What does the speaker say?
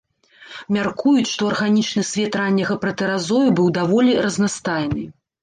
Мяркуюць, што арганічны свет ранняга пратэразою быў даволі разнастайны.